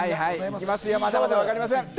まだまだ分かりません。